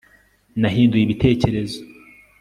nahinduye ibitekerezo